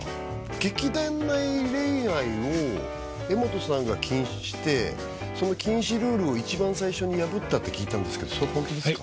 劇団内恋愛を柄本さんが禁止してその禁止ルールを一番最初に破ったって聞いたんですけどそれホントですか？